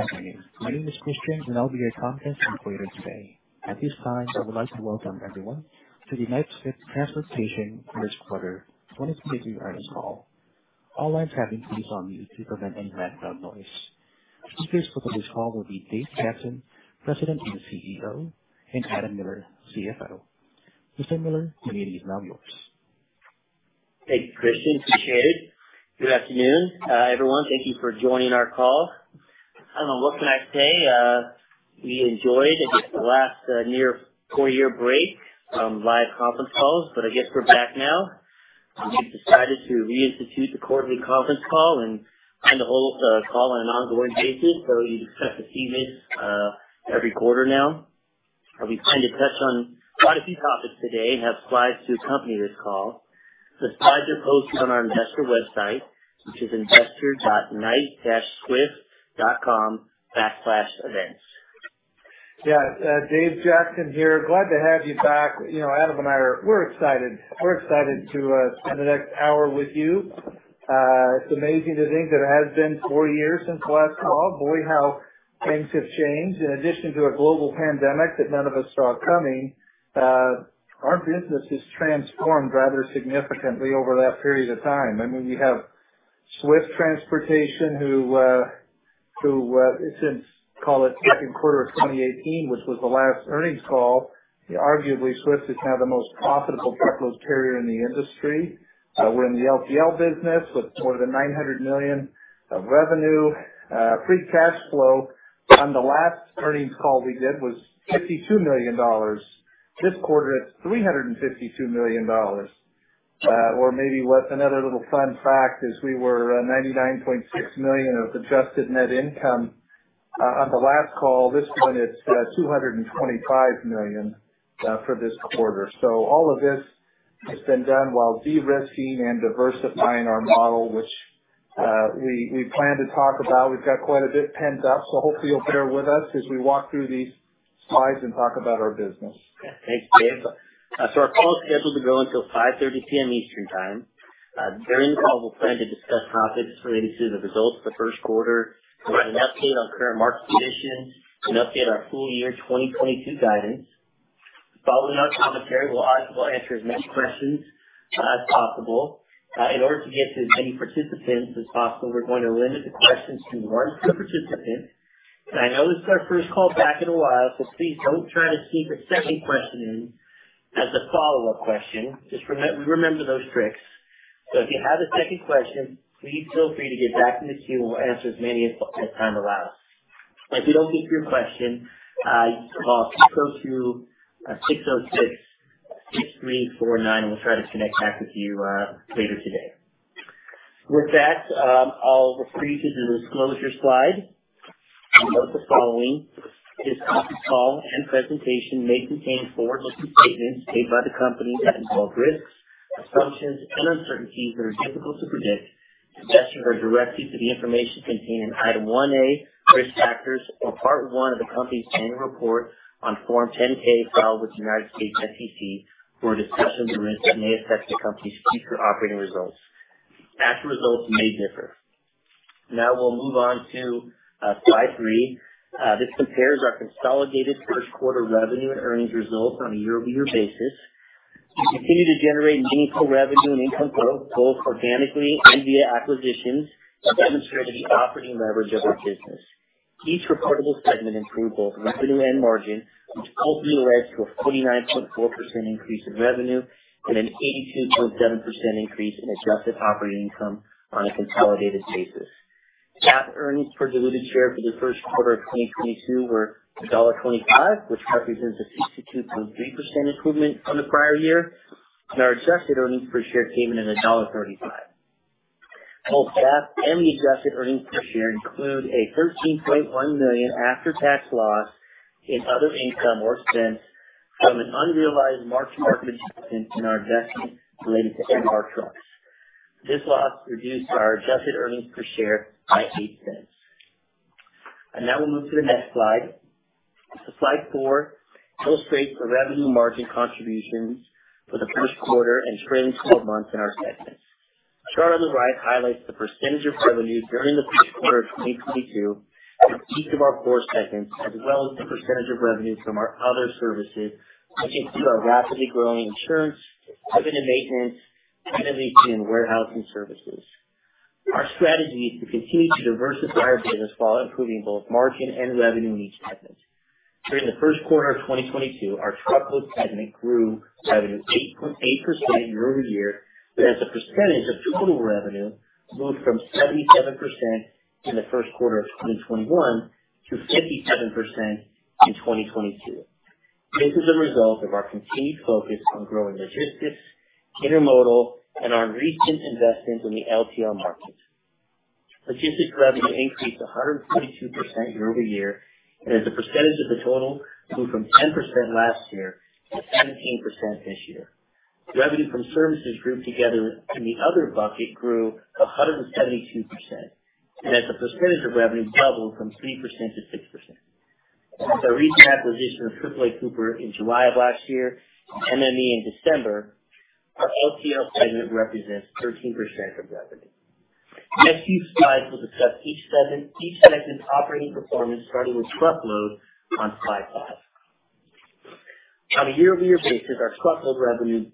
Hi, my name is Christian, and I'll be your conference operator today. At this time, I would like to welcome everyone to the Knight-Swift Transportation first quarter 2023 earnings call. All lines have been placed on mute to prevent any background noise. Speakers for this call will be Dave Jackson, President and CEO, and Adam Miller, CFO. Mr. Miller, the meeting is now yours. Thank you, Christian. Appreciate it. Good afternoon, everyone. Thank you for joining our call. What can I say? We enjoyed, I guess, the last near four-year break from live conference calls, but I guess we're back now. We've decided to reinstitute the quarterly conference call and plan to hold the call on an ongoing basis, so you can expect to see this every quarter now. We plan to touch on quite a few topics today and have slides to accompany this call. The slides are posted on our investor website, which is investor.knight-swift.com/events. Dave Jackson here. Glad to have you back. You know, Adam and I are excited to spend the next hour with you. It's amazing to think that it has been four years since the last call. Boy, how things have changed. In addition to a global pandemic that none of us saw coming, our business has transformed rather significantly over that period of time. I mean, you have Swift Transportation, who, since call it second quarter of 2018, which was the last earnings call, arguably Swift is now the most profitable truckload carrier in the industry. We're in the LTL business with more than $900 million of revenue. Free cash flow on the last earnings call we did was $52 million. This quarter it's $352 million. Maybe what's another little fun fact is we were $99.6 million of adjusted net income on the last call. This one is $225 million for this quarter. All of this has been done while de-risking and diversifying our model, which we plan to talk about. We've got quite a bit pent up, so hopefully you'll bear with us as we walk through these slides and talk about our business. Thanks, Dave. Our call is scheduled to go until 5:30 P.M. Eastern time. During the call, we'll plan to discuss topics related to the results of the first quarter, provide an update on current market conditions, and update our full year 2022 guidance. Following our commentary, we'll answer as many questions as possible. In order to get to as many participants as possible, we're going to limit the questions to one per participant. I know this is our first call back in a while, so please don't try to sneak a second question in as a follow-up question. Just remember those tricks. If you have a second question, please feel free to get back in the queue, and we'll answer as many as time allows. If you don't get to your question, you can call 602-606-6349, and we'll try to connect back with you later today. With that, I'll refer you to the disclosure slide. We note the following. This conference call and presentation may contain forward-looking statements made by the company that involve risks, assumptions, and uncertainties that are difficult to predict. Investors are directed to the information contained in Item 1A, Risk Factors, or Part One of the company's annual report on Form 10-K filed with the U.S. SEC for a discussion of the risks that may affect the company's future operating results. Actual results may differ. Now we'll move on to slide three. This compares our consolidated first quarter revenue and earnings results on a year-over-year basis. We continue to generate meaningful revenue and income growth, both organically and via acquisitions that demonstrate the operating leverage of our business. Each reportable segment improved both revenue and margin, which ultimately led to a 49.4% increase in revenue and an 82.7% increase in adjusted operating income on a consolidated basis. GAAP earnings per diluted share for the first quarter of 2022 were $1.25, which represents a 62.3% improvement from the prior year, and our adjusted earnings per share came in at $1.35. Both GAAP and the adjusted earnings per share include a $13.1 million after-tax loss in other income or expense from an unrealized market adjustment in our investment related to Marten Transport. This loss reduced our adjusted earnings per share by $0.08. Now we'll move to the next slide. Slide four illustrates the revenue margin contributions for the first quarter and trailing twelve months in our segments. Chart on the right highlights the percentage of revenue during the first quarter of 2022 in each of our four segments, as well as the percentage of revenue from our other services, which include our rapidly growing insurance, equipment maintenance, innovation, warehouse, and services. Our strategy is to continue to diversify our business while improving both margin and revenue in each segment. During the first quarter of 2022, our truckload segment grew revenue 8.8% year-over-year, but as a percentage of total revenue moved from 77% in the first quarter of 2021 to 57% in 2022. This is a result of our continued focus on growing logistics, intermodal, and our recent investments in the LTL markets. Logistics revenue increased 122% year-over-year, and as a percentage of the total, grew from 10% last year to 17% this year. Revenue from services group together in the other bucket grew 172%, and as a percentage of revenue doubled from 3% to 6%. With our recent acquisition of AAA Cooper in July of last year, MME in December, our LTL segment represents 13% of revenue. The next few slides will discuss each segment, each segment's operating performance, starting with Truckload on slide five. On a year-over-year basis, our truckload revenue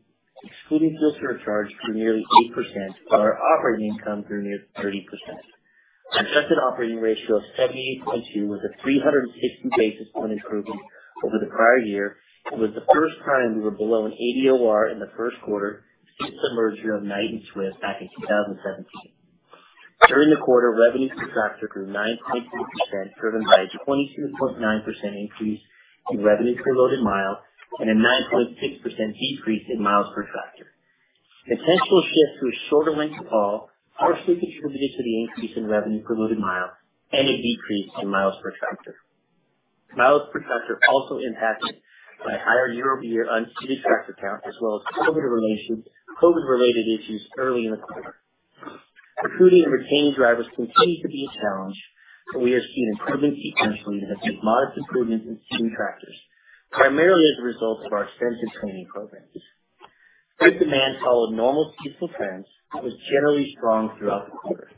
excluding fuel surcharge grew nearly 8%, while our operating income grew nearly 30%. Adjusted Operating Ratio of 78.2 was a 360 basis point improvement over the prior year. It was the first time we were below an ADOR in the first quarter since the merger of Knight and Swift back in 2017. During the quarter, revenue per tractor grew 9.6%, driven by a 22.9% increase in revenue per loaded mile and a 9.6% decrease in miles per tractor. Potential shifts to a shorter length of haul partially contributed to the increase in revenue per loaded mile and a decrease in miles per tractor. Miles per tractor also impacted by higher year-over-year unseated tractor counts as well as COVID-related issues early in the quarter. Recruiting and retaining drivers continue to be a challenge, but we are seeing improvement sequentially, that's a modest improvement in seated tractors, primarily as a result of our extensive training programs. Freight demand followed normal seasonal trends and was generally strong throughout the quarter.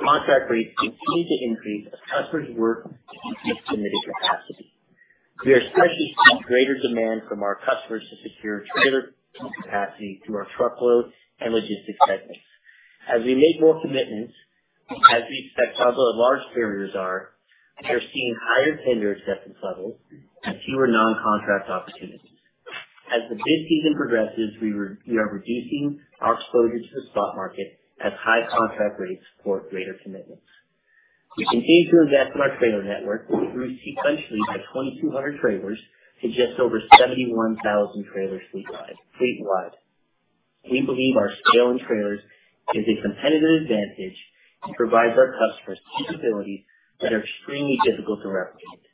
Contract rates continued to increase as customers work to meet committed capacity. We are especially seeing greater demand from our customers to secure trailer capacity through our truckload and logistics segments. As we make more commitments, as we expect how large carriers are, we are seeing higher tender acceptance levels and fewer non-contract opportunities. As the bid season progresses, we are reducing our exposure to the spot market as high contract rates support greater commitments. We continue to invest in our trailer network, which increased sequentially by 2,200 trailers to just over 71,000 trailers fleet wide. We believe our scale in trailers is a competitive advantage and provides our customers capabilities that are extremely difficult to replicate.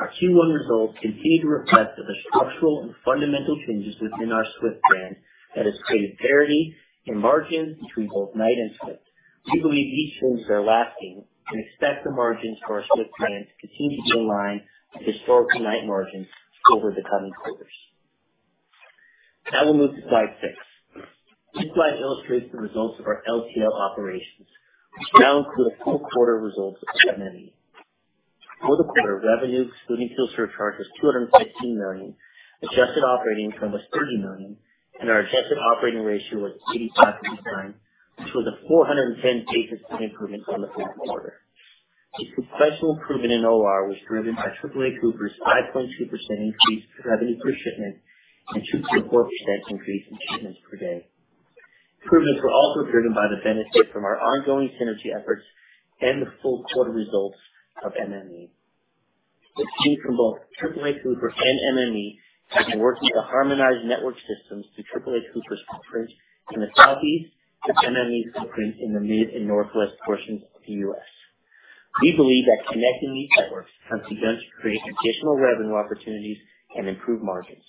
Our Q1 results continue to reflect that the structural and fundamental changes within our Swift brand that has created parity in margins between both Knight and Swift. We believe these trends are lasting and expect the margins for our Swift brand to continue to align with historical Knight margins over the coming quarters. Now we'll move to slide six. This slide illustrates the results of our LTL operations, which now include a full quarter results of MME. For the quarter, revenue excluding fuel surcharge was $216 million, adjusted operating income was $30 million, and our adjusted operating ratio was 85.9, which was a 410 basis point improvement from the fourth quarter. The sequential improvement in OR was driven by AAA Cooper's 5.2% increase in revenue per shipment and 2.4% increase in shipments per day. Improvements were also driven by the benefit from our ongoing synergy efforts and the full quarter results of MME. The team from both AAA Cooper and MME have been working to harmonize network systems to AAA Cooper's footprint in the Southeast, with MME's footprint in the Midwest and Northwest portions of the U.S.. We believe that connecting these networks can together create additional revenue opportunities and improve margins.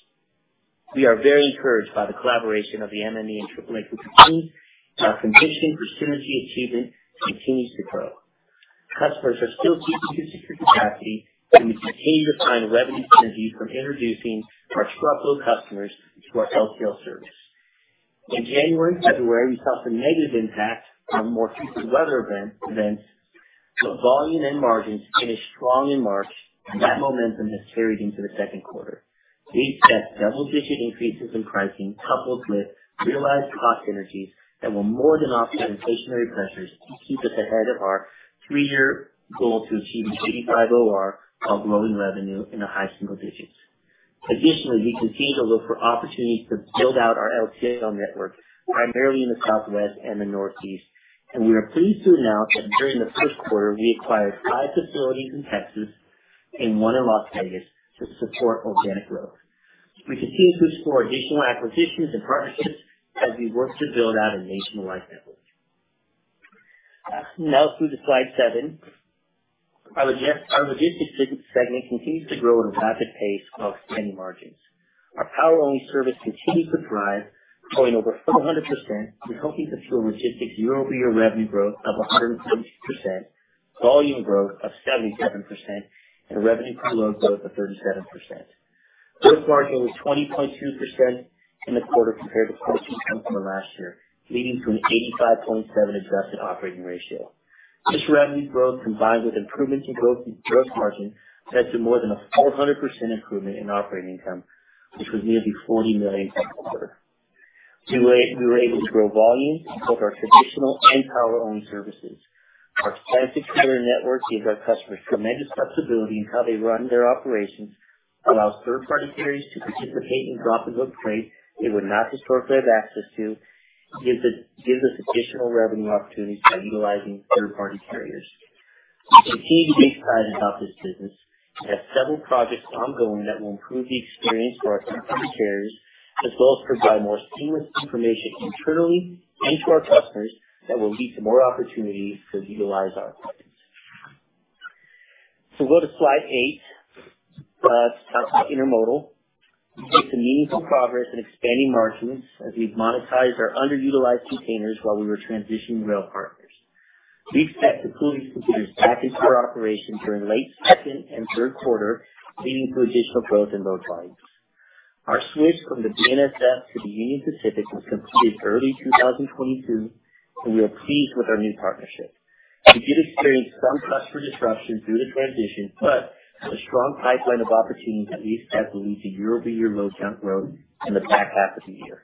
We are very encouraged by the collaboration of the MME and AAA Cooper teams, and our conviction for synergy achievement continues to grow. Customers are still seeking to secure capacity, and we continue to find revenue synergies from introducing our truckload customers to our LTL service. In January and February, we saw some negative impact from more frequent weather events, but volume and margins finished strong in March, and that momentum has carried into the second quarter. We expect double-digit increases in pricing coupled with realized cost synergies that will more than offset inflationary pressures and keep us ahead of our three-year goal to achieve an 85 OR while growing revenue in the high single digits. Additionally, we continue to look for opportunities to build out our LTL network, primarily in the Southwest and the Northeast. We are pleased to announce that during the first quarter, we acquired five facilities in Texas and one in Las Vegas to support organic growth. We continue to explore additional acquisitions and partnerships as we work to build out a nationwide network. Passing you now through to slide seven. Our logistics segment continues to grow at a rapid pace while expanding margins. Our power-only service continues to thrive, growing over 400% and helping to fuel logistics year-over-year revenue growth of 132%, volume growth of 77% and revenue per load growth of 37%. Gross margin was 20.2% in the quarter compared to 20% from last year, leading to an 85.7 adjusted operating ratio. This revenue growth, combined with improvements in gross margin, led to more than a 400% improvement in operating income, which was nearly $40 million for the quarter. We were able to grow volume in both our traditional and power-only services. Our expansive carrier network gives our customers tremendous flexibility in how they run their operations, allows third-party carriers to participate in drop and hook freight they would not historically have access to, gives us additional revenue opportunities by utilizing third-party carriers. We continue to be excited about this business. We have several projects ongoing that will improve the experience for our contracted carriers, as well as provide more seamless information internally and to our customers that will lead to more opportunities to utilize our equipment. Go to slide eight. Let's talk intermodal. We've made some meaningful progress in expanding margins as we've monetized our underutilized containers while we were transitioning rail partners. We expect to fully complete our package car operation during late second and third quarter, leading to additional growth in load volumes. Our switch from the BNSF to the Union Pacific was completed early 2022, and we are pleased with our new partnership. We did experience some customer disruption through the transition, but a strong pipeline of opportunities we expect will lead to year-over-year load count growth in the back half of the year.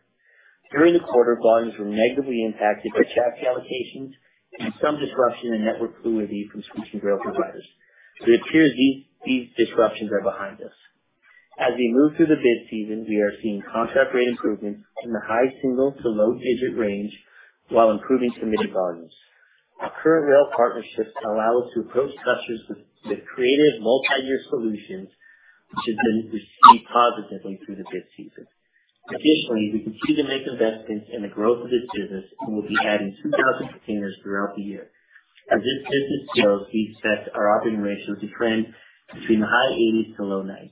During the quarter, volumes were negatively impacted by chassis allocations and some disruption in network fluidity from switching rail providers, but it appears these disruptions are behind us. As we move through the bid season, we are seeing contract rate improvements in the high single- to low double-digit range while improving committed volumes. Our current rail partnerships allow us to approach customers with creative multi-year solutions, which has been received positively through the bid season. Additionally, we continue to make investments in the growth of this business and will be adding 2,000 containers throughout the year. As this business scales, we expect our operating ratios to trend between the high 80s% to low 90s%.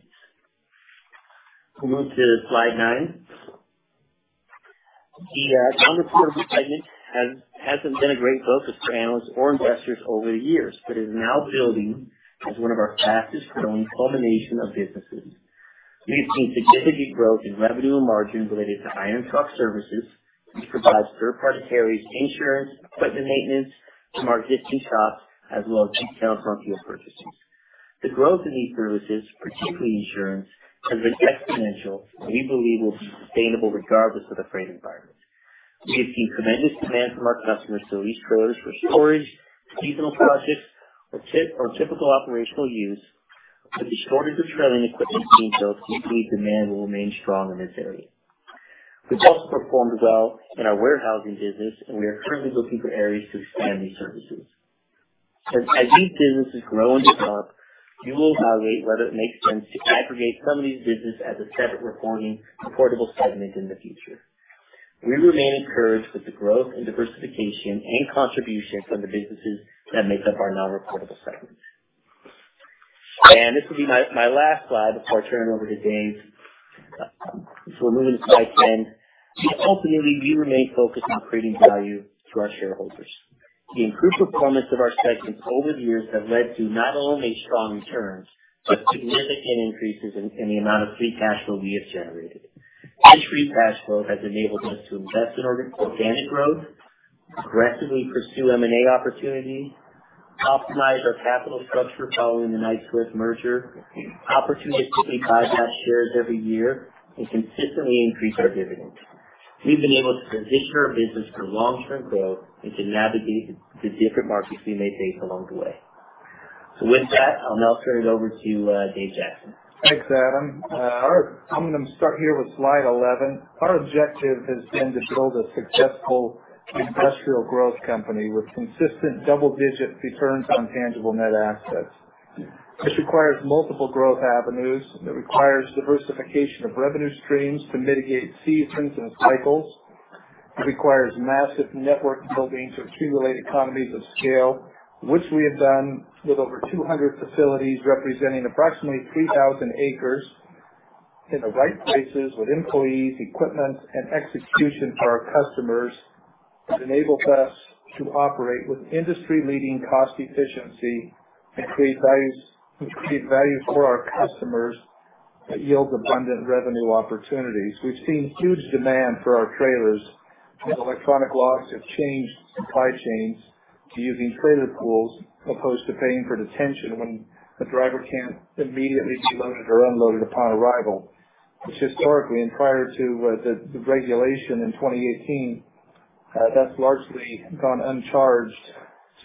We'll move to slide nine. The non-reportable segment hasn't been a great focus for analysts or investors over the years, but is now building as one of our fastest growing combination of businesses. We've seen significant growth in revenue and margin related to Iron Truck Services. We provide third party carriers insurance, equipment maintenance to market day shops, as well as detail truck fuel purchases. The growth in these services, particularly insurance, has been exponential, and we believe will be sustainable regardless of the freight environment. We have seen tremendous demand from our customers to lease trailers for storage, seasonal rushes or typical operational use. With the shortage of trailer equipment in detail, we believe demand will remain strong in this area. We've also performed well in our warehousing business and we are currently looking for areas to expand these services. As these businesses grow and develop, we will evaluate whether it makes sense to aggregate some of these businesses as a separate reportable segment in the future. We remain encouraged with the growth and diversification and contributions from the businesses that make up our non-reportable segment. This will be my last slide before I turn it over to Dave. We're moving to slide 10. Ultimately, we remain focused on creating value to our shareholders. The improved performance of our segments over the years have led to not only strong returns, but significant increases in the amount of free cash flow we have generated. This free cash flow has enabled us to invest in organic growth, aggressively pursue M&A opportunities, optimize our capital structure following the Knight-Swift merger, opportunistically buy back shares every year, and consistently increase our dividend. We've been able to position our business for long term growth and to navigate the different markets we may face along the way. With that, I'll now turn it over to Dave Jackson. Thanks, Adam. I'm gonna start here with slide 11. Our objective has been to build a successful industrial growth company with consistent double-digit returns on tangible net assets. This requires multiple growth avenues. It requires diversification of revenue streams to mitigate seasons and cycles. It requires massive network building to accumulate economies of scale, which we have done with over 200 facilities representing approximately 3,000 acres in the right places with employees, equipment, and execution for our customers. It enables us to operate with industry-leading cost efficiency and create value for our customers that yields abundant revenue opportunities. We've seen huge demand for our trailers as electronic logs have changed supply chains to using trailer pools as opposed to paying for detention when a driver can't immediately be loaded or unloaded upon arrival, which historically and prior to the regulation in 2018, that's largely gone uncharged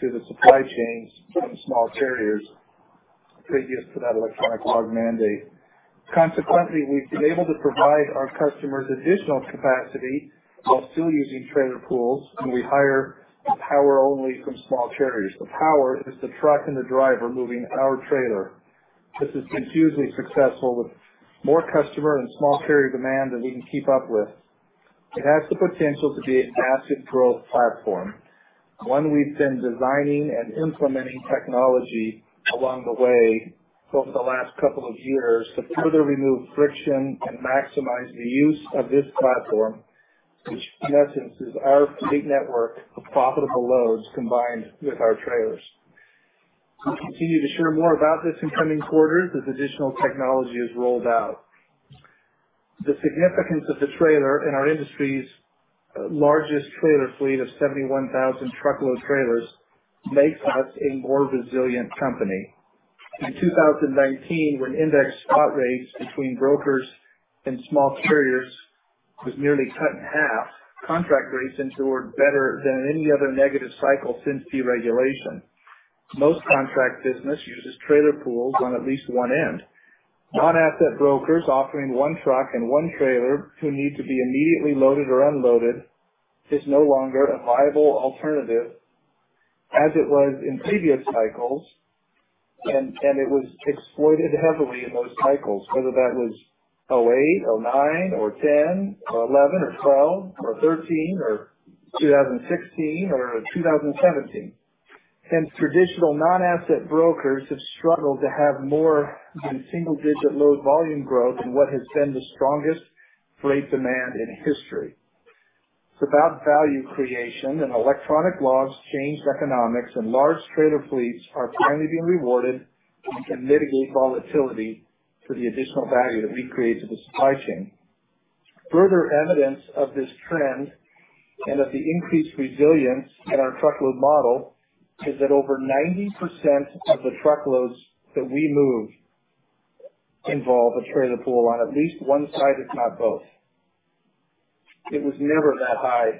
to the supply chains and small carriers previous to that electronic log mandate. Consequently, we've been able to provide our customers additional capacity while still using trailer pools when we hire the power-only from small carriers. The power is the truck and the driver moving our trailer. This has been hugely successful with more customer and small carrier demand than we can keep up with. It has the potential to be a massive growth platform, one we've been designing and implementing technology along the way over the last couple of years to further remove friction and maximize the use of this platform, which in essence is our fleet network of profitable loads combined with our trailers. We'll continue to share more about this in coming quarters as additional technology is rolled out. The significance of the trailer in our industry's largest trailer fleet of 71,000 truckload trailers makes us a more resilient company. In 2019, when index spot rates between brokers and small carriers was nearly cut in half, contract rates endured better than any other negative cycle since deregulation. Most contract business uses trailer pools on at least one end. Non-asset brokers offering one truck and one trailer who need to be immediately loaded or unloaded is no longer a viable alternative as it was in previous cycles and it was exploited heavily in those cycles, whether that was 2008, 2009 or 2010 or 2011 or 2012 or 2013 or 2016 or 2017. Traditional non-asset brokers have struggled to have more than single-digit load volume growth in what has been the strongest freight demand in history. It's about value creation, and electronic logs changed economics and large trailer fleets are finally being rewarded and can mitigate volatility for the additional value that we create to the supply chain. Further evidence of this trend, and of the increased resilience in our truckload model, is that over 90% of the truckloads that we move involve a trailer pool on at least one side, if not both. It was never that high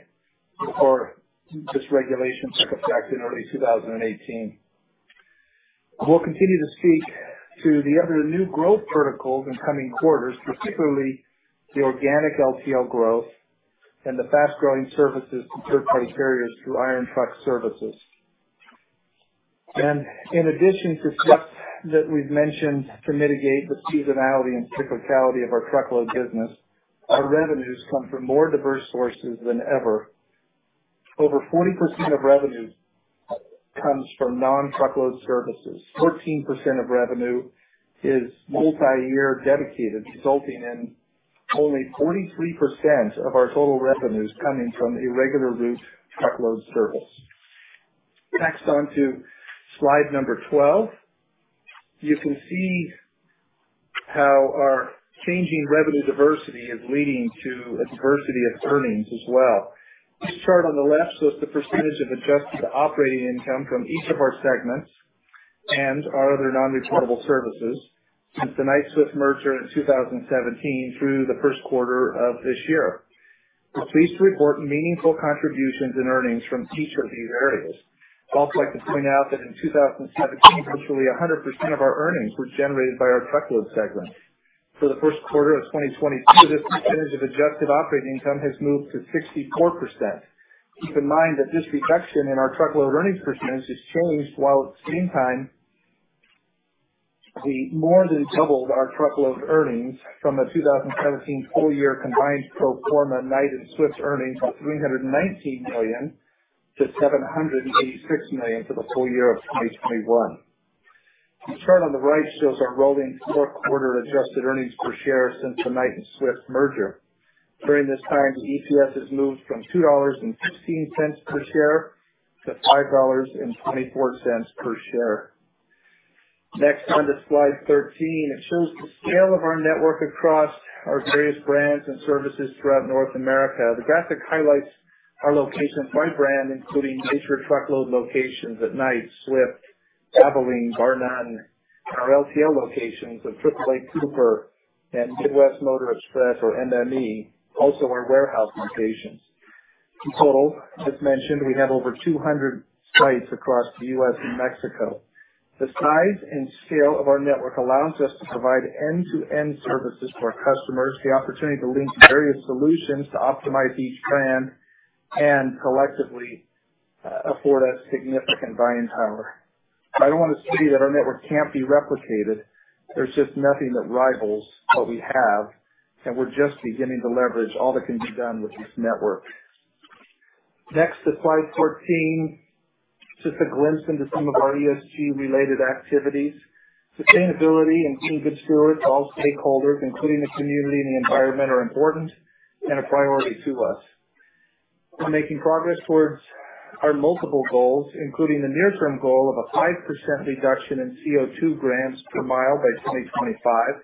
before this regulation took effect in early 2018. We'll continue to speak to the other new growth verticals in coming quarters, particularly the organic LTL growth and the fast-growing services to third-party carriers through Iron Truck Services. In addition to steps that we've mentioned to mitigate the seasonality and cyclicality of our truckload business, our revenues come from more diverse sources than ever. Over 40% of revenue comes from non-truckload services. 14% of revenue is multi-year dedicated, resulting in only 43% of our total revenues coming from irregular route truckload service. Next, on to slide number 12. You can see how our changing revenue diversity is leading to a diversity of earnings as well. This chart on the left shows the percentage of adjusted operating income from each of our segments and our other non-reportable services since the Knight-Swift merger in 2017 through the first quarter of this year. We're pleased to report meaningful contributions and earnings from each of these areas. I'd also like to point out that in 2017, virtually 100% of our earnings were generated by our truckload segment. For the first quarter of 2022, this percentage of adjusted operating income has moved to 64%. Keep in mind that this reduction in our truckload earnings percentage has changed, while at the same time we more than doubled our truckload earnings from the 2017 full year combined pro forma Knight and Swift earnings of $319 million to $786 million for the full year of 2021. The chart on the right shows our rolling fourth quarter adjusted earnings per share since the Knight and Swift merger. During this time, the EPS has moved from $2.15 per share to $5.24 per share. Next, on to slide 13. It shows the scale of our network across our various brands and services throughout North America. The graphic highlights our locations by brand, including major truckload locations at Knight, Swift, Abilene, Barr-Nunn, and our LTL locations of AAA Cooper and Midwest Motor Express or MME, also our warehouse locations. In total, as mentioned, we have over 200 sites across the U.S. and Mexico. The size and scale of our network allows us to provide end-to-end services to our customers, the opportunity to link various solutions to optimize each brand and collectively, afford us significant buying power. I don't want to say that our network can't be replicated. There's just nothing that rivals what we have, and we're just beginning to leverage all that can be done with this network. Next to slide 14. Just a glimpse into some of our ESG-related activities. Sustainability and being good stewards to all stakeholders, including the community and the environment, are important and a priority to us. We're making progress towards our multiple goals, including the near-term goal of a 5% reduction in CO2 grams per mile by 2025.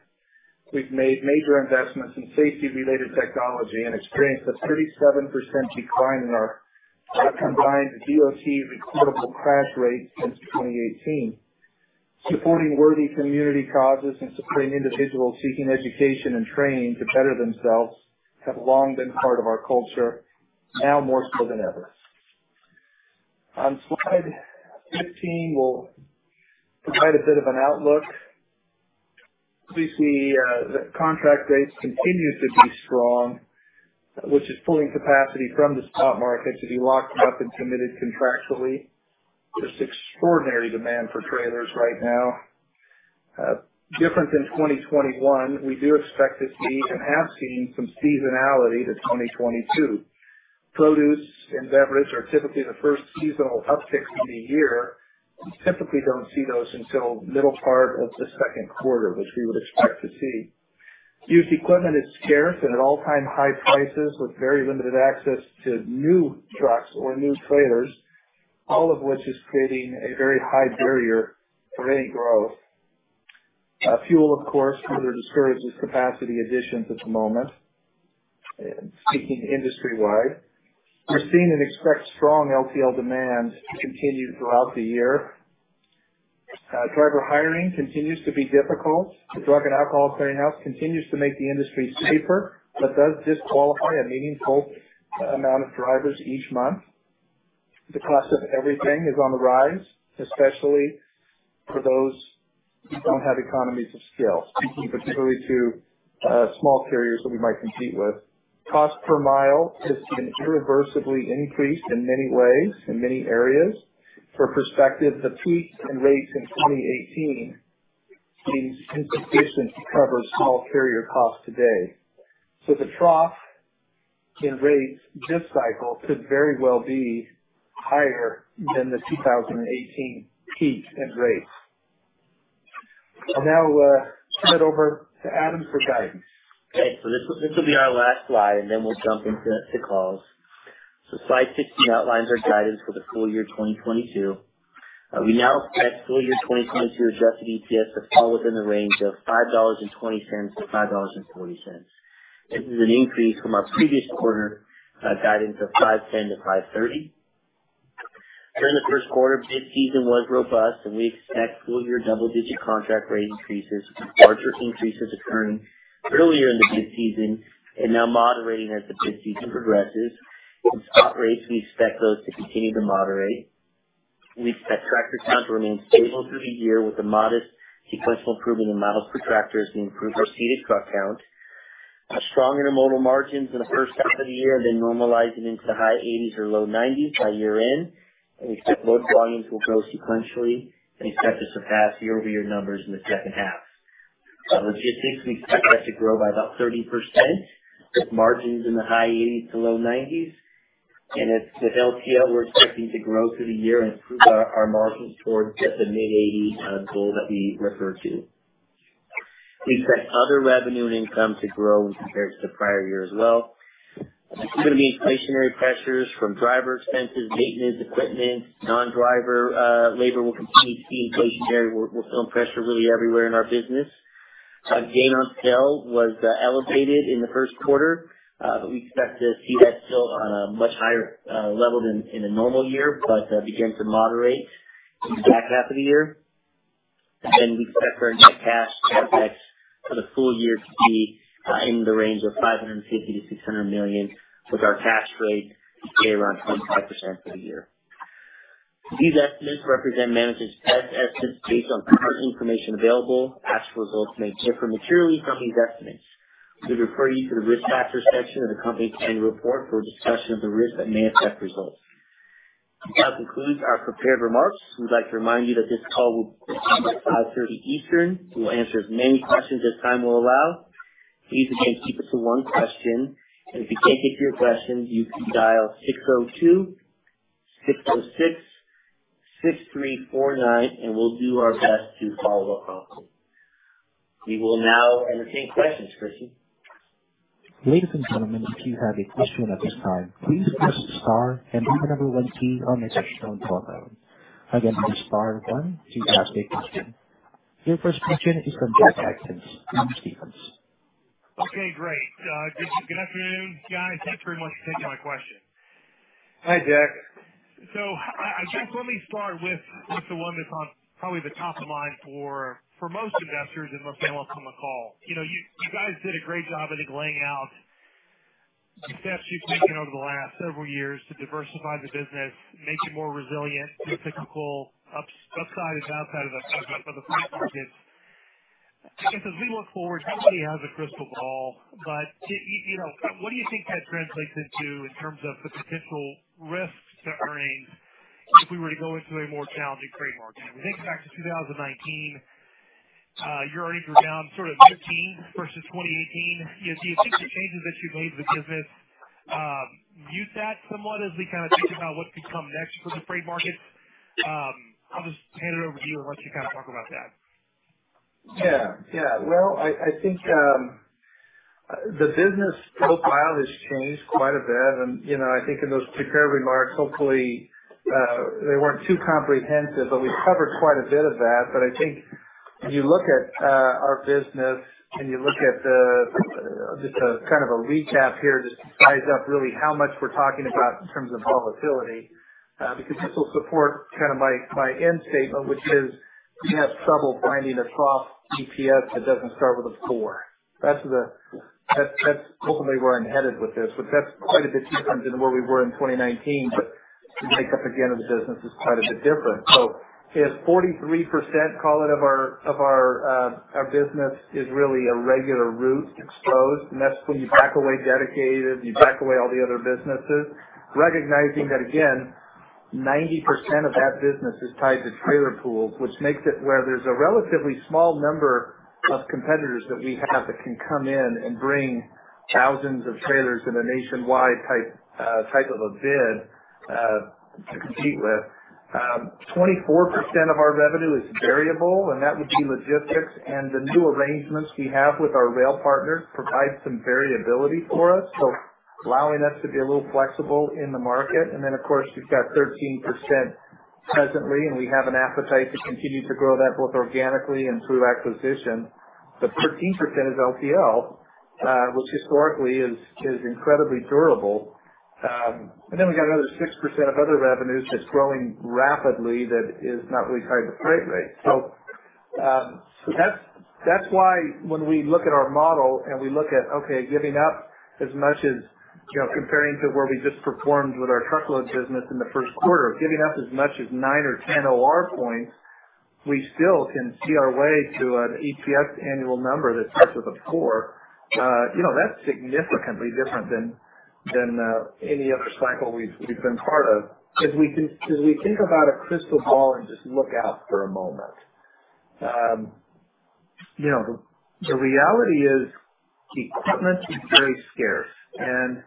We've made major investments in safety-related technology and experienced a 37% decline in our combined DOT recordable crash rate since 2018. Supporting worthy community causes and supporting individuals seeking education and training to better themselves have long been part of our culture, now more so than ever. On slide 15, we'll provide a bit of an outlook. We see that contract rates continue to be strong, which is pulling capacity from the spot market to be locked up and committed contractually. Just extraordinary demand for trailers right now. Different than 2021, we do expect to see, and have seen, some seasonality to 2022. Produce and beverage are typically the first seasonal upticks of the year. We typically don't see those until middle part of the second quarter, which we would expect to see. Used equipment is scarce and at all-time high prices with very limited access to new trucks or new trailers, all of which is creating a very high barrier for any growth. Fuel, of course, further discourages capacity additions at the moment. Speaking industry-wide, we're seeing and expect strong LTL demand to continue throughout the year. Driver hiring continues to be difficult. The Drug and Alcohol Clearinghouse continues to make the industry safer, but does disqualify a meaningful amount of drivers each month. The cost of everything is on the rise, especially for those who don't have economies of scale. Speaking particularly to small carriers that we might compete with. Cost per mile has been irreversibly increased in many ways, in many areas. For perspective, the peaks in rates in 2018 is insufficient to cover small carrier costs today. The trough in rates, this cycle could very well be higher than the 2018 peak in rates. I'll now turn it over to Adam for guidance. Okay. This will be our last slide, and then we'll jump into calls. Slide 15 outlines our guidance for the full year 2022. We now expect full year 2022 adjusted EPS to fall within the range of $5.20-$5.40. This is an increase from our previous quarter guidance of $5.10-$5.30. During the first quarter, bid season was robust and we expect full year double-digit contract rate increases, with larger increases occurring earlier in the bid season and now moderating as the bid season progresses. In spot rates, we expect those to continue to moderate. We expect tractor count to remain stable through the year with a modest sequential improvement in miles per tractor as we improve our seated truck count. Stronger modal margins in the first half of the year, then normalizing into the high 80s or low 90s by year-end. We expect load volumes will grow sequentially and expect to surpass year-over-year numbers in the second half. Logistics, we expect that to grow by about 30% with margins in the high 80s-low 90s. At LTL, we're expecting to grow through the year and improve our margins towards the mid-80s goal that we referred to. We expect other revenue and income to grow compared to the prior year as well. Continuing inflationary pressures from driver expenses, maintenance, equipment, non-driver labor will continue to see inflation. We're feeling pressure really everywhere in our business. Gain on sale was elevated in the first quarter, but we expect to see that still on a much higher level than in a normal year, but begin to moderate in the back half of the year. Then we expect our net cash CapEx for the full year to be in the range of $550 million-$600 million with our cash rate to stay around 25% for the year. These estimates represent management's best estimates based on current information available. Actual results may differ materially from these estimates. We refer you to the Risk Factors section of the company's annual report for a discussion of the risks that may affect results. That concludes our prepared remarks. We'd like to remind you that this call will end at 5:30 P.M. Eastern. We will answer as many questions as time will allow. Please again, keep it to one question, and if we can't get to your question, you can dial 602-606-6349, and we'll do our best to follow up. We will now entertain questions. Christian. Ladies and gentlemen, if you have a question at this time, please press star and the number one key on your telephone. Again, that's star one to ask a question. Your first question is from Jack Atkins from Stephens. Okay, great. Good afternoon, guys. Thanks very much for taking my question. Hi, Jack. I guess let me start with the one that's on probably the top of mind for most investors and most analysts on the call. You know, you guys did a great job, I think, laying out the steps you've taken over the last several years to diversify the business, make you more resilient to the typical upside and downside of the freight markets. I guess as we look forward, nobody has a crystal ball, but you know, what do you think that translates into in terms of the potential risk to earnings if we were to go into a more challenging freight market? We think back to 2019, your earnings were down sort of 15% versus 2018. Do you think the changes that you've made to the business, mute that somewhat as we kind of think about what could come next for the freight markets? I'll just hand it over to you and let you kind of talk about that. Yeah. Well, I think the business profile has changed quite a bit. You know, I think in those prepared remarks, hopefully, they weren't too comprehensive, but we've covered quite a bit of that. I think when you look at our business and you look at the just a kind of a recap here, just to size up really how much we're talking about in terms of volatility. Because this will support kind of my end statement, which is you have trouble finding a trough EPS that doesn't start with a four. That's ultimately where I'm headed with this. That's quite a bit different than where we were in 2019. The makeup again of the business is quite a bit different. If 43% of our business is really a regular route exposed, and that's when you back away dedicated, you back away all the other businesses. Recognizing that again, 90% of that business is tied to trailer pools, which makes it where there's a relatively small number of competitors that we have that can come in and bring thousands of trailers in a nationwide type of a bid to compete with. 24% of our revenue is variable, and that would be logistics. The new arrangements we have with our rail partners provide some variability for us, allowing us to be a little flexible in the market. Then of course, you've got 13% presently, and we have an appetite to continue to grow that both organically and through acquisition. The 13% is LTL, which historically is incredibly durable. Then we got another 6% of other revenues that's growing rapidly that is not really tied to freight rates. That's why when we look at our model and we look at, okay, giving up as much as, you know, comparing to where we just performed with our truckload business in the first quarter. Giving up as much as nine or 10 OR points, we still can see our way to an EPS annual number that starts with a four. You know, that's significantly different than any other cycle we've been part of. If we can, as we think about a crystal ball and just look out for a moment, you know, the reality is equipment is very scarce and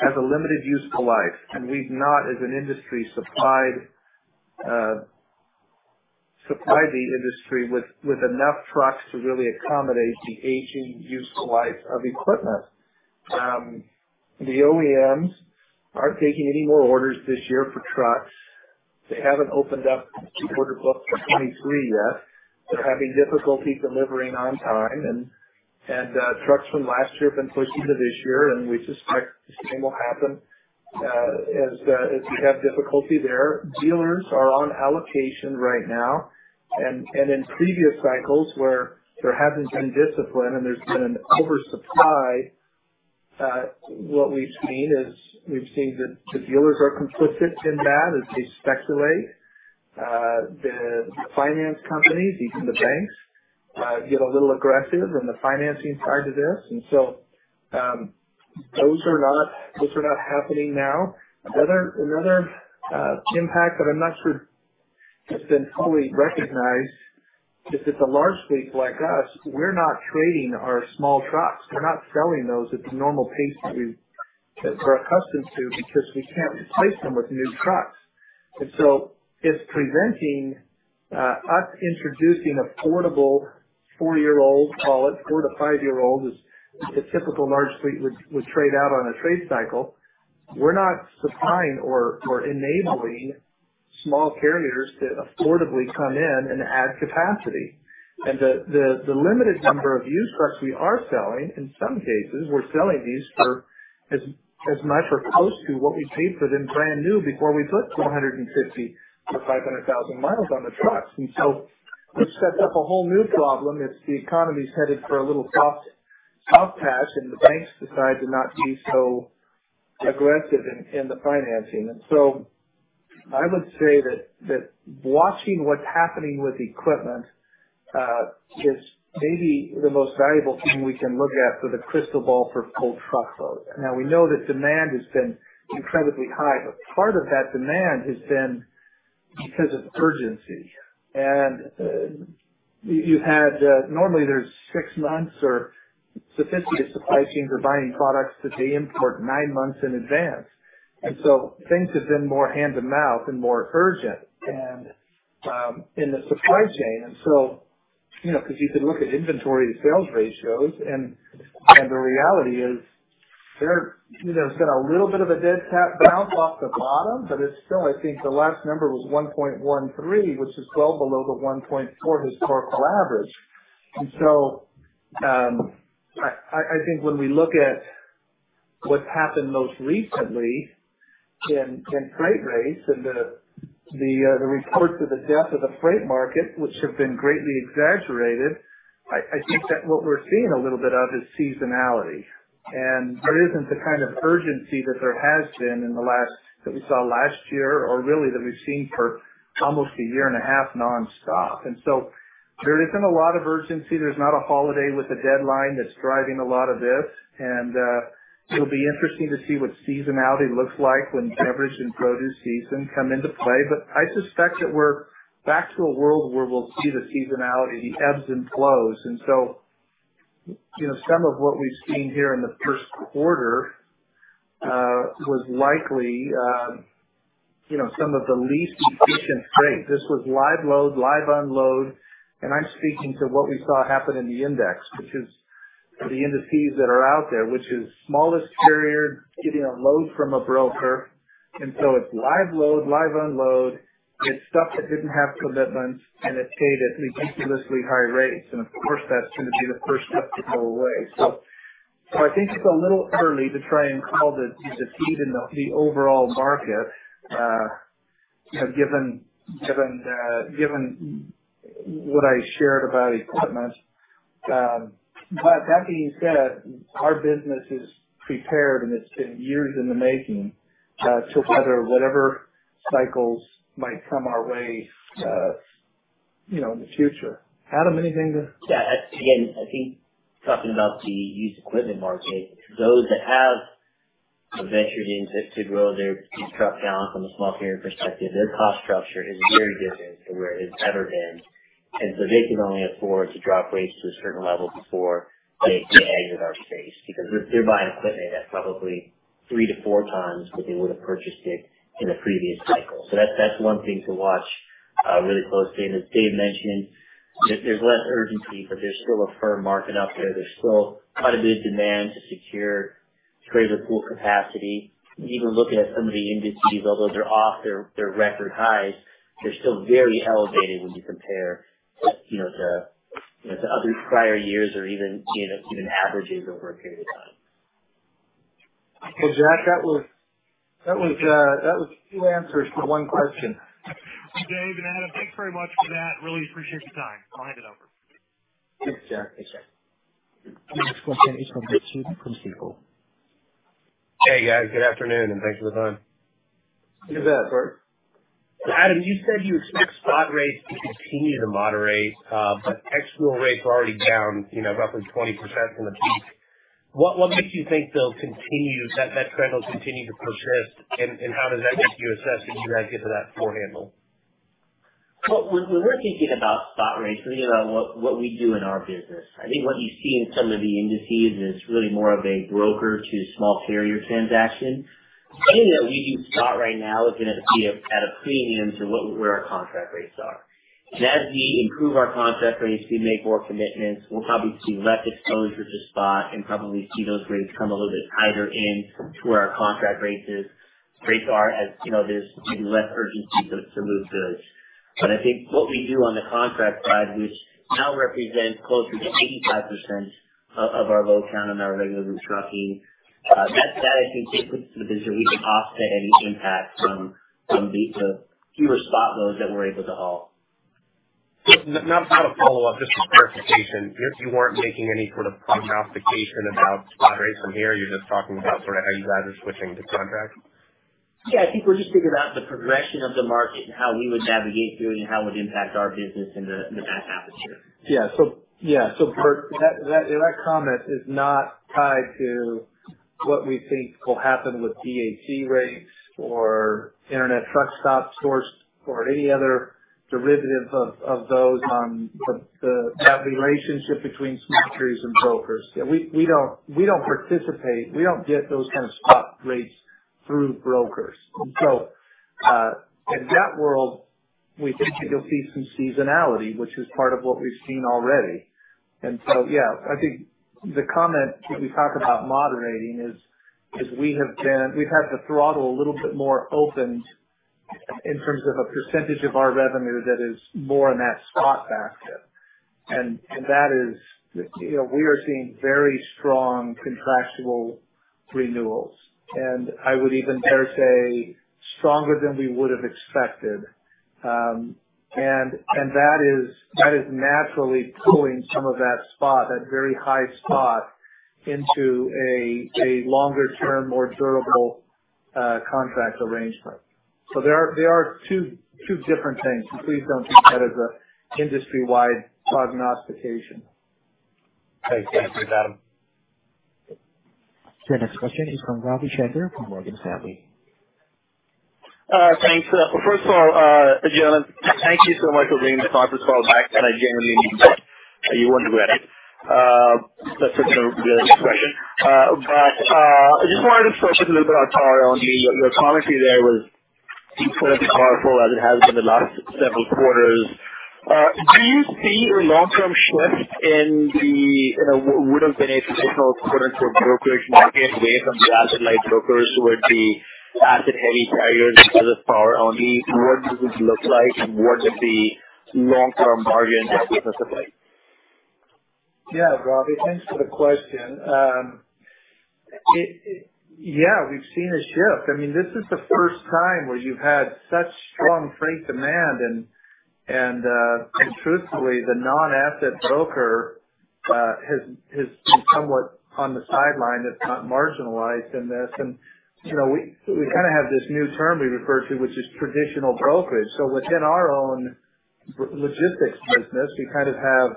has a limited useful life. We've not, as an industry, supplied the industry with enough trucks to really accommodate the aging useful life of equipment. The OEMs aren't taking any more orders this year for trucks. They haven't opened up the order books for 2023 yet. They're having difficulty delivering on time, trucks from last year have been pushed into this year. We suspect the same will happen, as we have difficulty there. Dealers are on allocation right now. In previous cycles where there hasn't been discipline and there's been an oversupply, what we've seen is that the dealers are complicit in that as they speculate. The finance companies, even the banks, get a little aggressive on the financing side to this. Those are not happening now. Another impact that I'm not sure has been fully recognized is that the large fleets like us, we're not trading our small trucks. We're not selling those at the normal pace that we're accustomed to because we can't replace them with new trucks. It's preventing us introducing affordable four-year-old, call it four- to five-year-old, is the typical large fleet would trade out on a trade cycle. We're not supplying or enabling small carriers to affordably come in and add capacity. The limited number of used trucks we are selling, in some cases we're selling these for as much or close to what we paid for them brand new before we put 450,000-500,000 miles on the trucks. It sets up a whole new problem if the economy's headed for a little tough patch and the banks decide to not be so aggressive in the financing. I would say that watching what's happening with equipment is maybe the most valuable thing we can look at for the crystal ball for the whole truckload. Now, we know that demand has been incredibly high, but part of that demand has been because of urgency. Normally there's six months or sophisticated supply chains are buying products that they import nine months in advance. Things have been more hand-to-mouth and more urgent in the supply chain. You know, because you can look at inventory to sales ratios and the reality is there, you know, has been a little bit of a dead cat bounce off the bottom. It's still, I think, the last number was 1.13, which is well below the 1.4 historical average. I think when we look at what's happened most recently in freight rates and the reports of the death of the freight market, which have been greatly exaggerated, I think that what we're seeing a little bit of is seasonality. There isn't the kind of urgency that we saw last year or really that we've seen for almost a year and a half nonstop. There isn't a lot of urgency. There's not a holiday with a deadline that's driving a lot of this. It'll be interesting to see what seasonality looks like when beverage and produce season come into play. I suspect that we're back to a world where we'll see the seasonality, the ebbs and flows. You know, some of what we've seen here in the first quarter was likely you know, some of the least efficient freight. This was live load, live unload. I'm speaking to what we saw happen in the index, which is the indices that are out there, which is smallest carrier getting a load from a broker. It's live load, live unload. It's stuff that didn't have commitments and it's paid at ridiculously high rates. Of course, that's going to be the first stuff to go away. I think it's a little early to try and call the bottom of the overall market, you know, given what I shared about equipment. That being said, our business is prepared, and it's been years in the making, to weather whatever cycles might come our way, you know, in the future. Adam, anything to- Yeah. Again, I think talking about the used equipment market, those that have ventured into to grow their used truck count from a small carrier perspective, their cost structure is very different to where it's ever been. They can only afford to drop rates to a certain level before they exit our space because they're buying equipment at probably 3x to 4x what they would have purchased it in the previous cycle. That's one thing to watch really closely. As Dave mentioned, there's less urgency, but there's still a firm market out there. There's still quite a bit of demand to secure trailer pool capacity. Even looking at some of the indices, although they're off their record highs, they're still very elevated when you compare, you know, to, you know, to other prior years or even, you know, even averages over a period of time. Well, Jack, that was two answers to one question. Dave and Adam, thanks very much for that. Really appreciate your time. I'll hand it over. Thanks, Jack. I appreciate it. Next question is from Bert Subin from Stifel. Hey, guys. Good afternoon, and thanks for the time. You bet, Bert. Adam, you said you expect spot rates to continue to moderate, but ex fuel rates are already down, you know, roughly 20% from the peak. What makes you think they'll continue that trend will continue to persist? How does that make you assess as you guys get to that four handle? Well, when we're thinking about spot rates, we're thinking about what we do in our business. I think what you see in some of the indices is really more of a broker to small carrier transaction. Anything that we do spot right now is gonna be at a premium to where our contract rates are. As we improve our contract rates, we make more commitments, we'll probably see less exposure to spot and probably see those rates come a little bit tighter in to where our contract rates are. As you know, there's even less urgency to move goods. I think what we do on the contract side, which now represents closer to 85% of our load count on our regular route trucking, that I think gets to the business. We can offset any impact from the fewer spot loads that we're able to haul. Now, kind of follow up, just for clarification, you weren't making any sort of prognostication about spot rates from here. You're just talking about sort of how you guys are switching to contract? Yeah. I think we're just thinking about the progression of the market and how we would navigate through and how it would impact our business in the back half of this year. That comment is not tied to what we think will happen with PHC rates or Internet Truckstop source or any other derivative of those on that relationship between small carriers and brokers. Yeah. We don't participate. We don't get those kind of spot rates through brokers. In that world, we think that you'll see some seasonality, which is part of what we've seen already. I think the comment that we talk about moderating is that we have been. We've had the throttle a little bit more opened in terms of a percentage of our revenue that is more in that spot factor. That is, you know, we are seeing very strong contractual renewals. I would even dare say stronger than we would have expected. That is naturally pulling some of that spot, that very high spot into a longer term, more durable, contract arrangement. There are two different things. Please don't take that as an industry-wide prognostication. Thanks. Thanks for that. Your next question is from Ravi Shanker from Morgan Stanley. Thanks. First of all, gentlemen, thank you so much for being this far as well back, and I genuinely mean that. You won't regret it. Let's get to the next question. I just wanted to focus a little bit on power-only. Your commentary there was incredibly powerful, as it has been the last several quarters. Do you see a long-term shift in the, you know, what would have been a traditional quarter for a brokerage market away from the asset-light brokers toward the asset-heavy carriers as a power-only? What does it look like, and what could the long-term margin discipline supply? Yeah. Ravi, thanks for the question. It, yeah, we've seen a shift. I mean, this is the first time where you've had such strong freight demand and truthfully, the non-asset broker has been somewhat on the sideline that's not marginalized in this. You know, we kind of have this new term we refer to, which is traditional brokerage. Within our own logistics business, we kind of have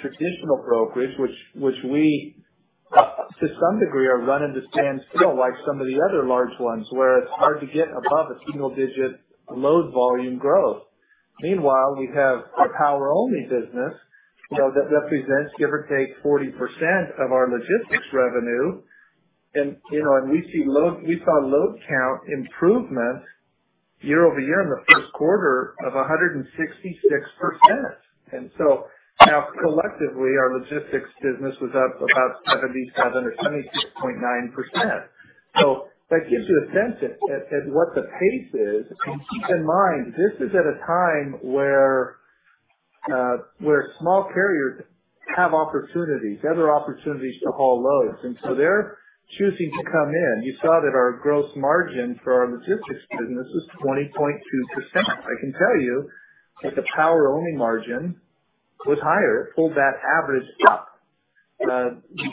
traditional brokerage, which we, to some degree, are running to stand still like some of the other large ones, where it's hard to get above a single-digit load volume growth. Meanwhile, we have our power-only business, you know, that represents give or take 40% of our logistics revenue. You know, we see load... We saw load count improvement year-over-year in the first quarter of 166%. Now collectively, our logistics business was up about 77% or 76.9%. That gives you a sense at what the pace is. Keep in mind, this is at a time where small carriers have opportunities, better opportunities to haul loads, and so they're choosing to come in. You saw that our gross margin for our logistics business was 20.2%. I can tell you that the power-only margin was higher. It pulled that average up. The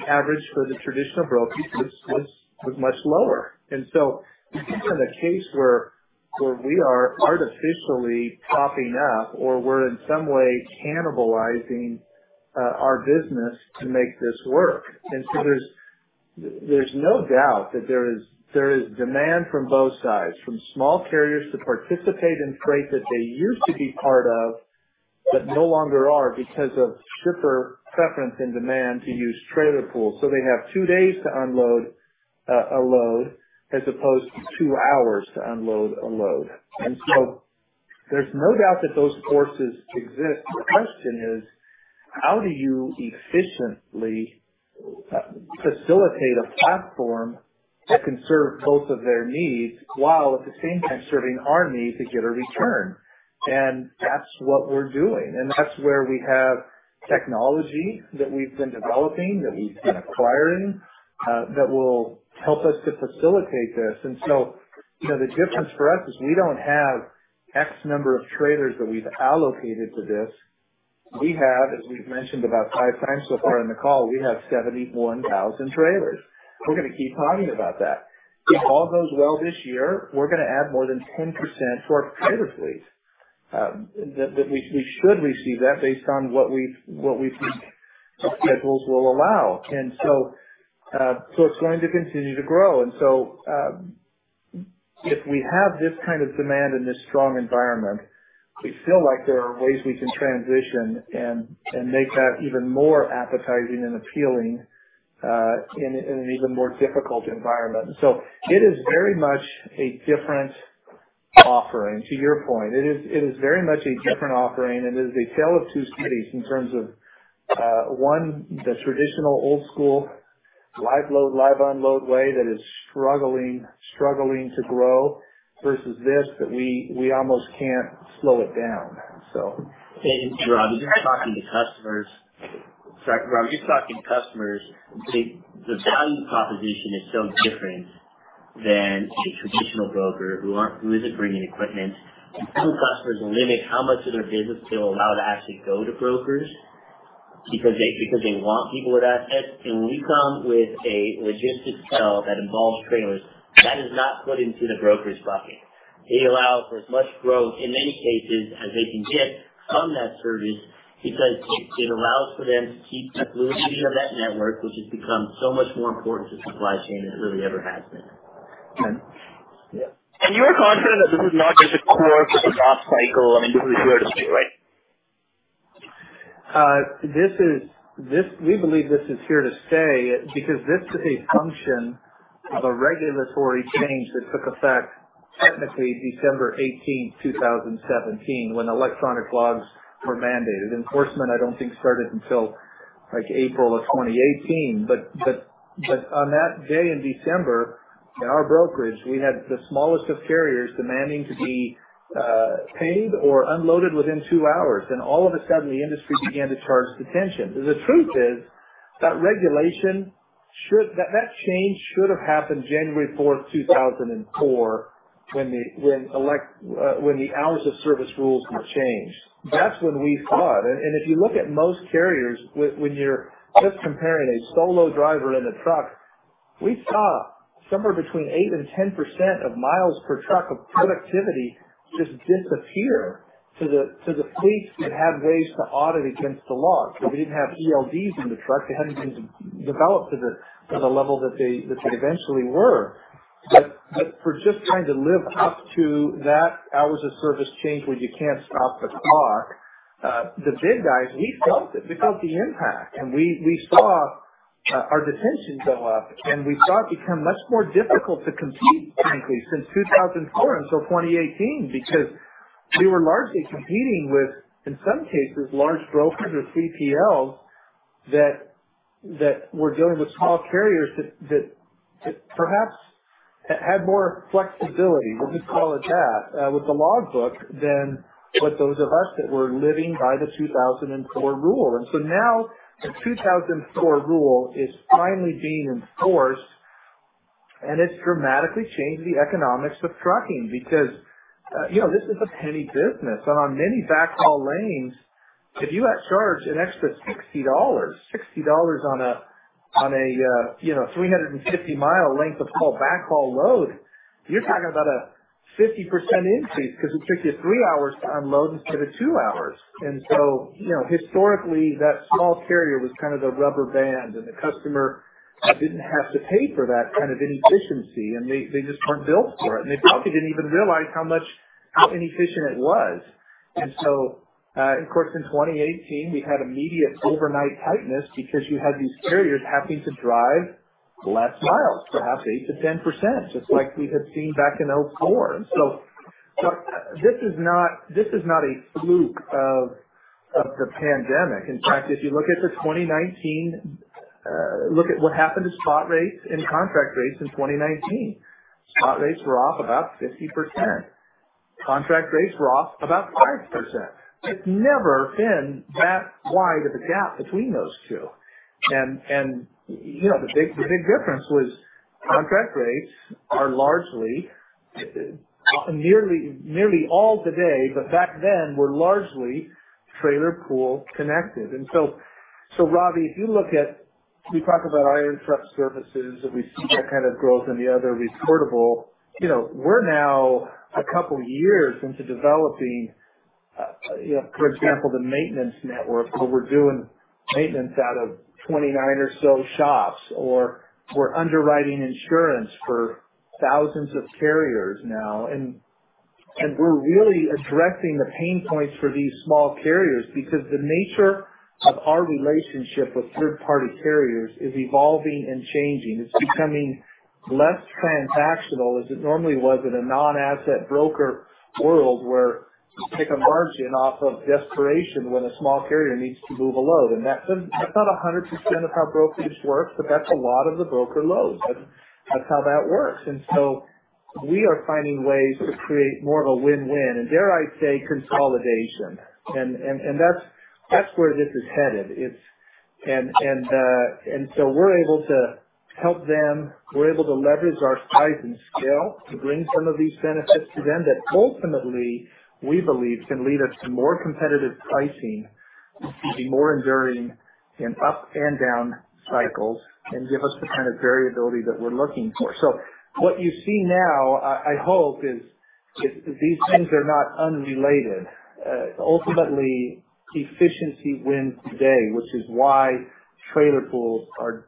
average for the traditional brokerage was much lower. You see we're in a case where we are artificially propping up or we're in some way cannibalizing our business to make this work. There's no doubt that there is demand from both sides, from small carriers to participate in freight that they used to be part of but no longer are because of shipper preference and demand to use trailer pools. They have two days to unload a load as opposed to two hours to unload a load. There's no doubt that those forces exist. The question is: How do you efficiently facilitate a platform that can serve both of their needs while at the same time serving our need to get a return? That's what we're doing, and that's where we have technology that we've been developing, that we've been acquiring, that will help us to facilitate this. You know, the difference for us is we don't have X number of trailers that we've allocated to this. We have, as we've mentioned about 5x so far in the call, we have 71,000 trailers. We're gonna keep talking about that. If all goes well this year, we're gonna add more than 10% to our trailer fleet that we should receive based on what we think schedules will allow. It's going to continue to grow. If we have this kind of demand in this strong environment, we feel like there are ways we can transition and make that even more appetizing and appealing, in an even more difficult environment. It is very much a different offering. To your point, it is very much a different offering, and it is a tale of two cities in terms of, one, the traditional old school live load, live unload way that is struggling to grow versus this, that we almost can't slow it down. So. Ravi, you're talking to customers. Sorry. Rob, you're talking to customers. The value proposition is so different than a traditional broker who isn't bringing equipment. Some customers limit how much of their business they'll allow to actually go to brokers because they want people with assets. When we come with a logistics sell that involves trailers, that is not put into the brokers bucket. It allows for as much growth, in many cases, as they can get from that service because it allows for them to keep the fluidity of that network, which has become so much more important to supply chain than it really ever has been. Yeah. You are confident that this is not just a quirk of the last cycle. I mean, this is here to stay, right? We believe this is here to stay because this is a function of a regulatory change that took effect technically December 18, 2017, when electronic logs were mandated. Enforcement, I don't think started until, like, April 2018. On that day in December, in our brokerage, we had the smallest of carriers demanding to be paid or unloaded within two hours. All of a sudden, the industry began to charge detention. The truth is that change should have happened January 4, 2004 when the hours of service rules were changed. That's when we saw it. If you look at most carriers, when you're just comparing a solo driver in a truck, we saw somewhere between 8%-10% of miles per truck of productivity just disappear till the fleets could have ways to audit against the logs. They didn't have ELDs in the truck. They hadn't been developed to the level that they eventually were. But for just trying to live up to that hours of service change where you can't stop the clock, the big guys, we felt it. We felt the impact. We saw our detention go up, and we saw it become much more difficult to compete, frankly, since 2004 until 2018. Because we were largely competing with, in some cases, large brokers or 3PLs that were dealing with small carriers that perhaps had more flexibility. We'll just call it that with the log book than what those of us that were living by the 2004 rule. Now the 2004 rule is finally being enforced, and it's dramatically changed the economics of trucking because you know, this is a penny business. On many backhaul lanes, if you charge an extra $60 on a, you know, 350-mile length of haul backhaul load, you're talking about a 50% increase 'cause it took you three hours to unload instead of two hours. You know, historically, that small carrier was kind of the rubber band, and the customer didn't have to pay for that kind of inefficiency, and they just weren't built for it. They probably didn't even realize how much, how inefficient it was. Of course, in 2018 we had immediate overnight tightness because you had these carriers having to drive less miles, perhaps 8%-10%, just like we had seen back in 2004. This is not a fluke of the pandemic. In fact, if you look at what happened to spot rates and contract rates in 2019. Spot rates were off about 50%. Contract rates were off about 5%. It's never been that wide of a gap between those two. You know, the big difference was contract rates are largely nearly all today, but back then were largely trailer pool connected. Ravi Shanker, if you look at, we talk about Iron Truck Services, and we see that kind of growth in the other reportable. You know, we're now a couple years into developing, you know, for example, the maintenance network where we're doing maintenance out of 29 or so shops, or we're underwriting insurance for thousands of carriers now. We're really addressing the pain points for these small carriers because the nature of our relationship with third party carriers is evolving and changing. It's becoming less transactional as it normally was in a non-asset broker world where you take a margin off of desperation when a small carrier needs to move a load. That's been. That's not 100% of how brokerage works, but that's a lot of the broker loads. That's how that works. We are finding ways to create more of a win-win and dare I say, consolidation. That's where this is headed. We're able to help them. We're able to leverage our size and scale to bring some of these benefits to them that ultimately, we believe can lead us to more competitive pricing, be more enduring in up and down cycles and give us the kind of variability that we're looking for. What you see now, I hope, is these things are not unrelated. Ultimately, efficiency wins today, which is why trailer pools are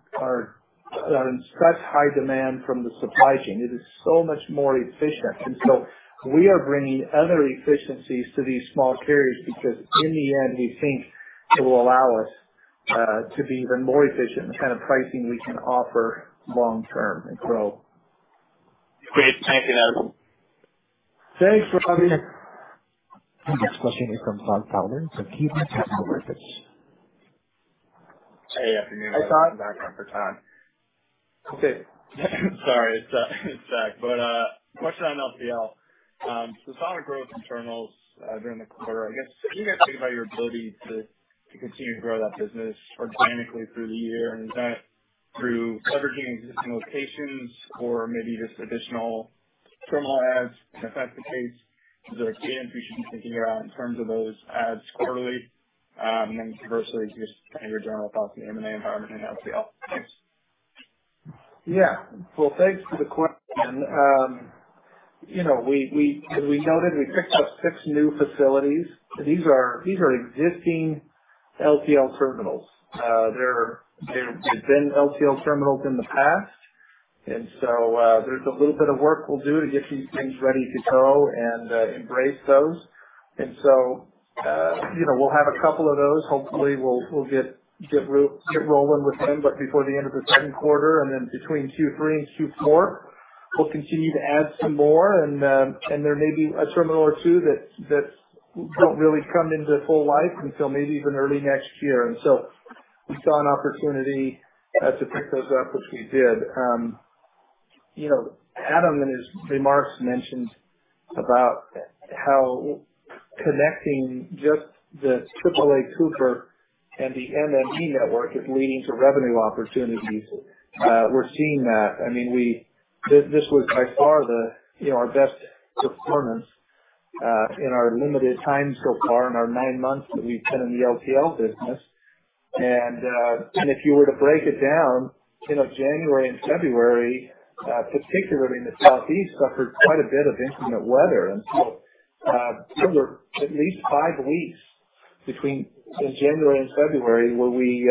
in such high demand from the supply chain. It is so much more efficient. We are bringing other efficiencies to these small carriers because in the end, we think it will allow us to be even more efficient in the kind of pricing we can offer long term. Great. Thank you, Adam. Thanks, Ravi Shanker. The next question is from Todd Fowler from KeyBanc Capital Markets. Hey, afternoon. Hi, Todd Fowler. Sorry, it's Zach. Question on LTL. We saw the growth in terminals during the quarter. I guess, can you guys think about your ability to continue to grow that business organically through the year? Is that through leveraging existing locations or maybe just additional terminal adds? If that's the case, is there a guidance we should be thinking around in terms of those adds quarterly? Conversely, just kind of your general thoughts on the M&A environment in LTL. Thanks. Yeah. Well, thanks for the question. You know, as we noted, we picked up six new facilities. These are existing LTL terminals. They've been LTL terminals in the past. You know, we'll do a little bit of work to get these things ready to go and embrace those. You know, we'll have a couple of those. Hopefully we'll get rolling with them, but before the end of the second quarter, and then between Q3 and Q4, we'll continue to add some more. There may be a terminal or two that don't really come into full life until maybe even early next year. We saw an opportunity to pick those up, which we did. You know, Adam, in his remarks, mentioned about how connecting just the AAA Cooper and the MME network is leading to revenue opportunities. We're seeing that. I mean, this was by far the, you know, our best performance in our limited time so far in our nine months that we've been in the LTL business. If you were to break it down, you know, January and February, particularly in the southeast, suffered quite a bit of inclement weather. Those were at least five weeks between January and February where we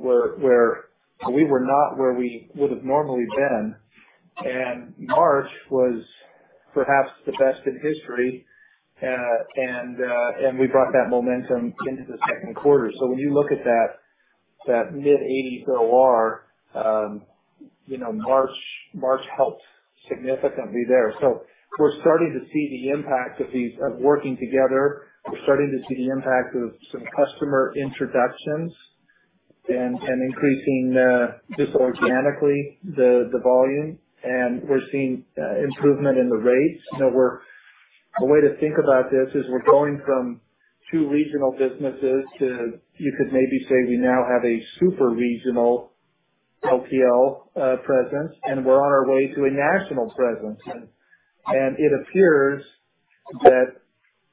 were not where we would have normally been. March was perhaps the best in history. We brought that momentum into the second quarter. When you look at that mid-80s OR, you know, March helped significantly there. We're starting to see the impact of these, of working together. We're starting to see the impact of some customer introductions and increasing just organically the volume. We're seeing improvement in the rates. A way to think about this is we're going from two regional businesses to, you could maybe say we now have a super regional LTL presence, and we're on our way to a national presence. It appears that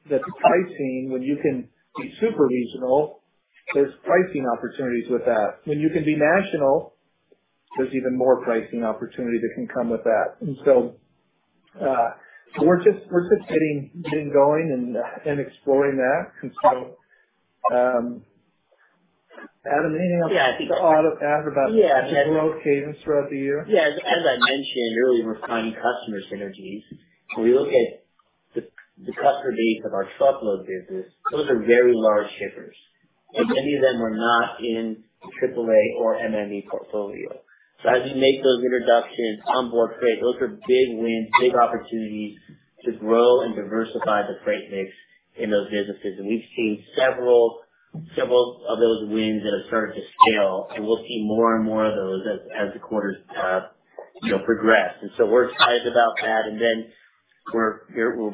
the pricing, when you can be super regional, there's pricing opportunities with that. When you can be national, there's even more pricing opportunity that can come with that. We're just getting going and exploring that. Adam, anything else you'd like to add about the growth cadence throughout the year? Yeah. As I mentioned earlier, we're finding customer synergies. When we look at the customer base of our truckload business, those are very large shippers, and many of them are not in AAA or MME portfolio. As we make those introductions on board freight, those are big wins, big opportunities to grow and diversify the freight mix in those businesses. We've seen several of those wins that have started to scale, and we'll see more and more of those as the quarters, you know, progress. We're excited about that. We're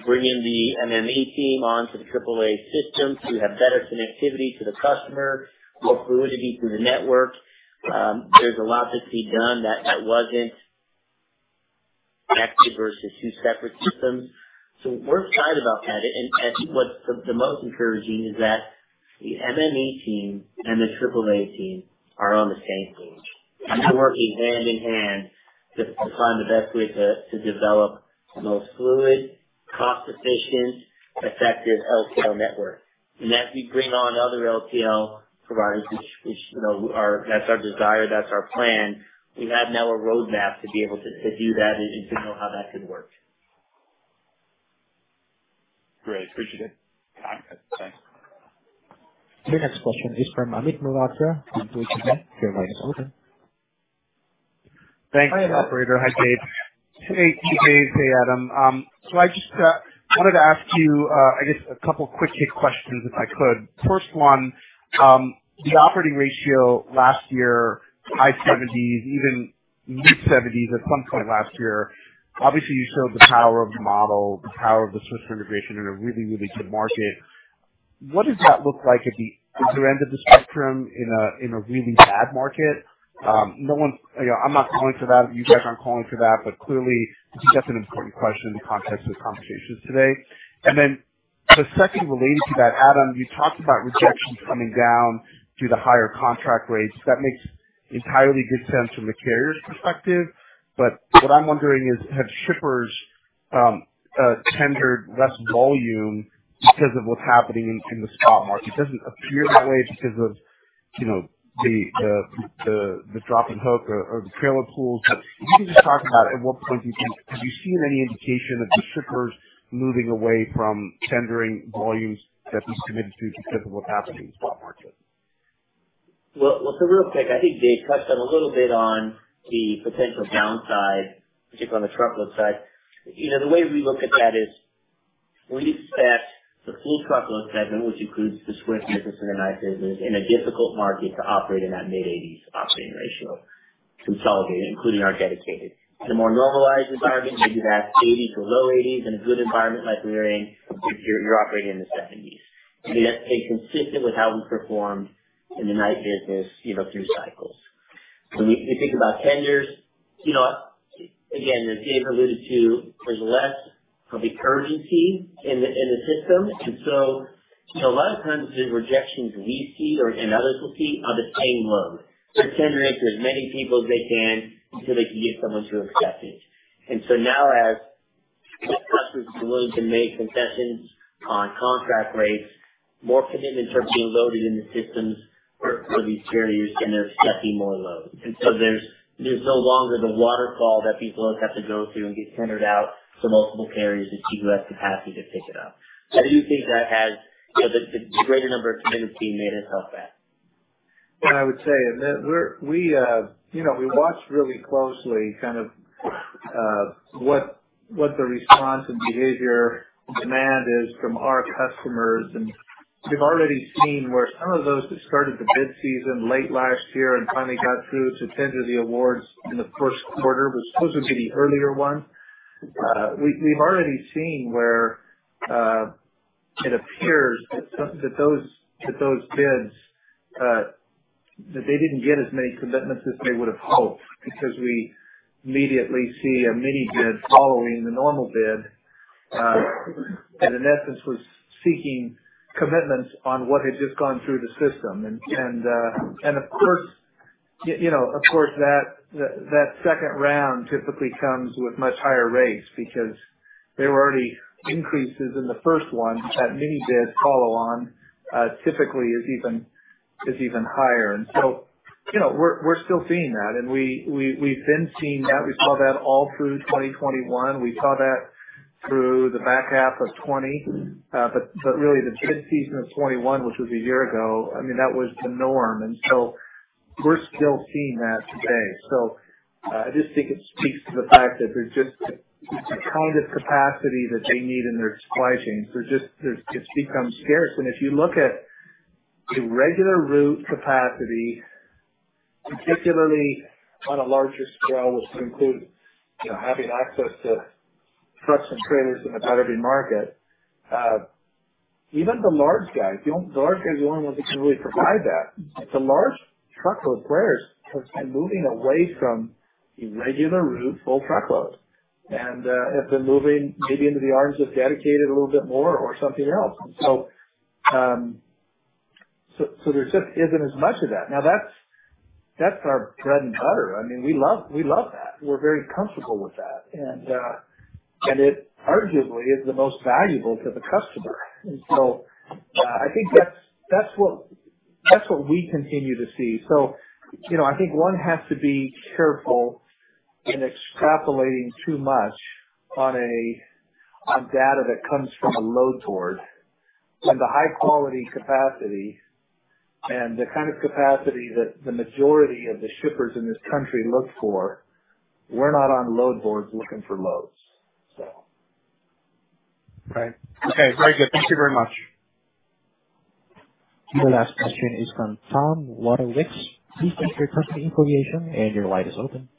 bringing the MME team onto the AAA system to have better connectivity to the customer, more fluidity through the network. There's a lot to be done that wasn't connected versus two separate systems. We're excited about that. What's the most encouraging is that the MME team and the AAA team are on the same page and they're working hand in hand to find the best way to develop the most fluid, cost efficient, effective LTL network. As we bring on other LTL providers, which you know, that's our desire, that's our plan. We have now a roadmap to be able to do that and to know how that could work. Great. Appreciate it. Thanks. Your next question is from Amit Mehrotra from Deutsche Bank. Your line is open. Hi, Amit. Thanks, operator. Hi, Dave. Hey, Adam. So I just wanted to ask you, I guess a couple quick hit questions, if I could. First one, the operating ratio last year, high 70s%, even mid-70s% at some point last year. Obviously, you showed the power of the model, the power of the Swift integration in a really, really good market. What does that look like at the other end of the spectrum in a really bad market? No one, you know, I'm not calling for that. You guys aren't calling for that. Clearly, I think that's an important question in the context of the conversations today. The second related to that, Adam, you talked about rejections coming down due to higher contract rates. That makes entirely good sense from the carrier's perspective. What I'm wondering is, have shippers tendered less volume because of what's happening in the spot market? It doesn't appear that way because of, you know, the drop and hook or the trailer pools. If you can just talk about at what point do you think. Have you seen any indication of the shippers moving away from tendering volumes that they committed to because of what's happening in the spot market? Well, real quick, I think Dave touched on a little bit on the potential downside, particularly on the truckload side. You know, the way we look at that is we expect the full truckload segment, which includes dedicated business and the Knight business, in a difficult market to operate at that mid-80s operating ratio consolidated, including our dedicated. In a more normalized environment, maybe that's 80 to low 80s. In a good environment like we're in, you're operating in the 70s. I mean, that's consistent with how we performed in the Knight business, you know, through cycles. When you think about tenders, you know, again, as Dave alluded to, there's less of the urgency in the system. You know, a lot of times the rejections we see or and others will see are the same load. They're tendering it to as many people as they can until they can get someone to accept it. Now as customers are willing to make concessions on contract rates, more commitments are being loaded in the systems for these carriers, and they're accepting more loads. There's no longer the waterfall that people have to go through and get tendered out to multiple carriers to see who has capacity to pick it up. I do think that has, you know, the greater number of commitments being made has helped that. I would say, you know, we watch really closely kind of what the response and behavior demand is from our customers. We've already seen where some of those that started the bid season late last year and finally got through to tender the awards in the first quarter was supposedly the earlier one. We've already seen where it appears that those bids that they didn't get as many commitments as they would've hoped because we immediately see a mini bid following the normal bid that in essence was seeking commitments on what had just gone through the system. Of course, you know, of course that second round typically comes with much higher rates because there were already increases in the first one. That mini bid follow on typically is even higher. You know, we're still seeing that. We've been seeing that. We saw that all through 2021. We saw that through the back half of 2020. But really the bid season of 2021, which was a year ago, I mean, that was the norm. We're still seeing that today. I just think it speaks to the fact that there's just the kind of capacity that they need in their supply chains. It's become scarce. If you look at the regular route capacity, particularly on a larger scale, which would include, you know, having access to trucks and trailers in the spot market, even the large guys are the only ones that can really provide that. The large truckload players have been moving away from the regular route, full truckload, and have been moving maybe into the arms of dedicated a little bit more or something else. There just isn't as much of that. Now that's our bread and butter. I mean, we love that. We're very comfortable with that. It arguably is the most valuable to the customer. I think that's what we continue to see. You know, I think one has to be careful in extrapolating too much on data that comes from a load board. When the high quality capacity and the kind of capacity that the majority of the shippers in this country look for, we're not on load boards looking for loads. Right. Okay. Very good. Thank you very much. The last question is from Tom Wadewitz. Please state your company affiliation, and your line is open.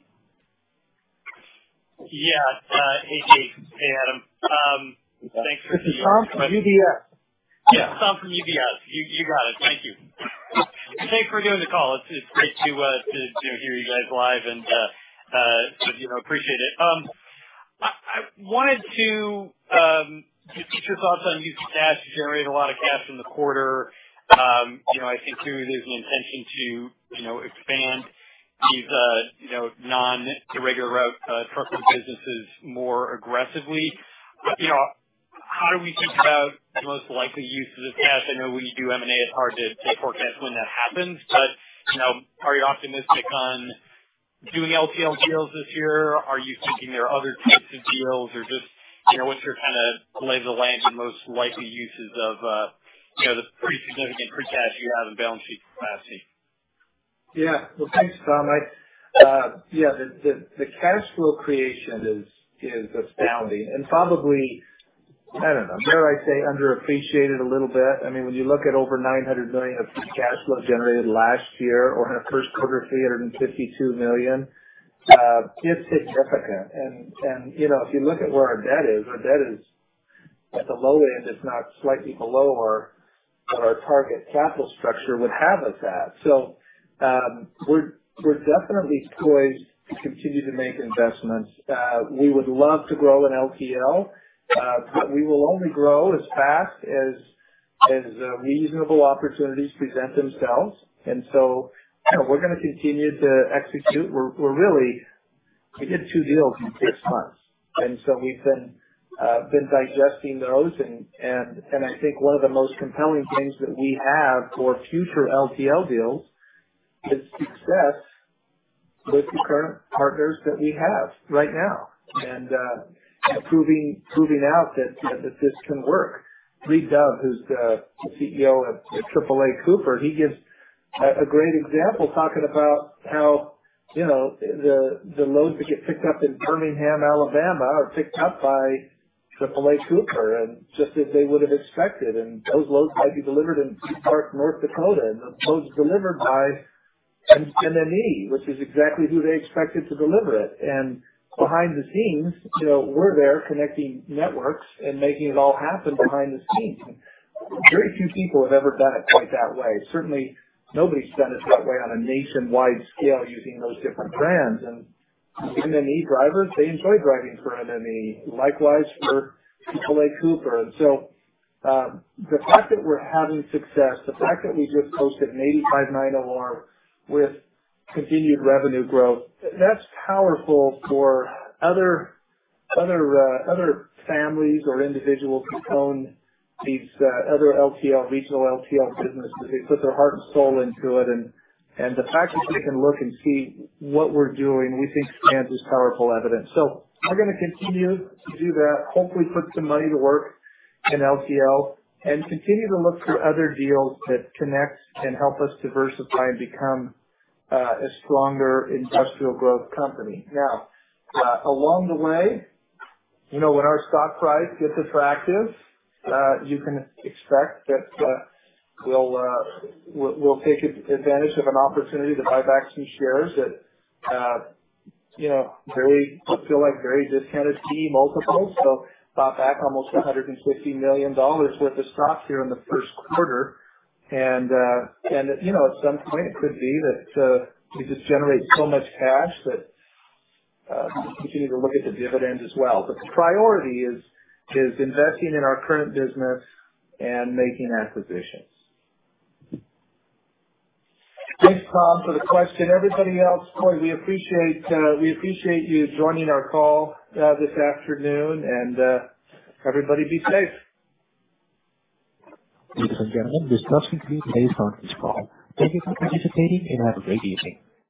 Yeah. Hey, Dave. Hey, Adam. Thanks for- This is Tom from UBS. Yeah, Tom from UBS. You got it. Thank you. Thanks for doing the call. It's great to hear you guys live and you know, appreciate it. I wanted to get your thoughts on use of cash. You generated a lot of cash in the quarter. You know, I think too, there's an intention to you know, expand these non-regular route truckload businesses more aggressively. You know, how do we think about the most likely use of this cash? I know when you do M&A it's hard to forecast when that happens. You know, are you optimistic on doing LTL deals this year? Are you thinking there are other types of deals or just, you know, what's your kind of lay of the land and most likely uses of, you know, the pretty significant free cash you have in the balance sheet for next year? Yeah. Well, thanks, Tom. Yeah, the cash flow creation is astounding and probably, I don't know, dare I say underappreciated a little bit. I mean, when you look at over $900 million of cash flow generated last year or in a first quarter, $352 million, it's significant. You know, if you look at where our debt is, our debt is at the low end, if not slightly below what our target capital structure would have us at. We're definitely poised to continue to make investments. We would love to grow in LTL, but we will only grow as fast as reasonable opportunities present themselves. You know, we're gonna continue to execute. We did two deals in six months, and so we've been digesting those. I think one of the most compelling things that we have for future LTL deals is success with the current partners that we have right now. Proving out that this can work. Reid Dove, who's the CEO of AAA Cooper, he gives a great example talking about how, you know, the loads that get picked up in Birmingham, Alabama, are picked up by AAA Cooper, and just as they would have expected. Those loads might be delivered in Fargo, North Dakota, and those loads are delivered by MME, which is exactly who they expected to deliver it. Behind the scenes, you know, we're there connecting networks and making it all happen behind the scenes. Very few people have ever done it quite that way. Certainly, nobody's done it that way on a nationwide scale using those different brands. MME drivers, they enjoy driving for MME, likewise for AAA Cooper. The fact that we're having success, the fact that we just posted an 85.9 OR with continued revenue growth, that's powerful for other families or individuals who own these other LTL, regional LTL businesses. They put their heart and soul into it. The fact that they can look and see what we're doing, we think stands as powerful evidence. We're gonna continue to do that, hopefully put some money to work in LTL and continue to look for other deals that connect and help us diversify and become a stronger industrial growth company. Now, along the way, you know, when our stock price gets attractive, you can expect that we'll take advantage of an opportunity to buy back some shares that, you know, feel like very discounted key multiples. Bought back almost $150 million worth of stock here in the first quarter. You know, at some point it could be that we just generate so much cash that we continue to look at the dividends as well. The priority is investing in our current business and making acquisitions. Thanks, Tom, for the question. Everybody else, boy, we appreciate you joining our call this afternoon. Everybody be safe. Ladies and gentlemen, discussion concludes on this call. Thank you for participating and have a great evening.